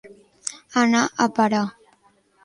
Anar a parar.